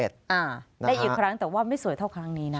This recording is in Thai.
ได้อีกครั้งแต่ว่าไม่สวยเท่าครั้งนี้นะ